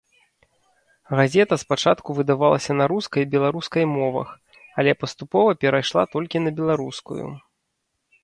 Газета спачатку выдавалася на рускай і беларускай мовах, але паступова перайшла толькі на беларускую.